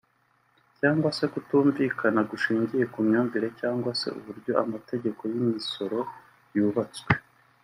cyangwa se kutumvikana gushingiye ku myumvire cyangwa se uburyo amategeko y’imisoro yubatswe